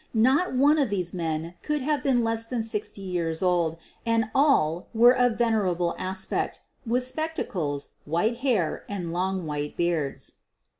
Not one of these men could have been less than sixty years old and all were of venerable aspect, with spectacles, white hair, and long, white beards.